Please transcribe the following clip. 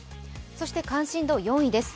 そして関心度４位です。